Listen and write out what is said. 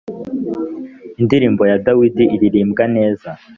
indirimbo ya dawidi iririmbwa neza